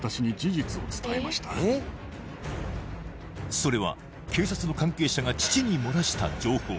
それは警察の関係者が父に漏らした情報